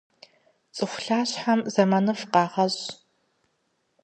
Цӏыху лъэщхэм зэманыфӏ къагъэщӏ.